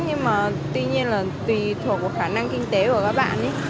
nhưng mà tuy nhiên là tùy thuộc vào khả năng kinh tế của các bạn ấy